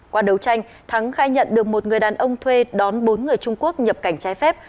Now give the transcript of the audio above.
qua đấu tranh thắng khai nhận được một người đàn ông thuê đón bốn người trung quốc nhập cảnh trái phép